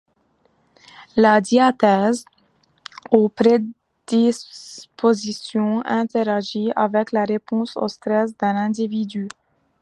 La diathèse, ou prédisposition, interagit avec la réponse au stress d'un individu.